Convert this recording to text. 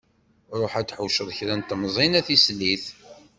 Ruḥ ad d-tḥuceḍ kra n temẓin a tislit.